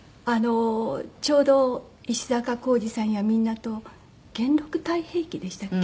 ちょうど石坂浩二さんやみんなと『元禄太平記』でしたっけ？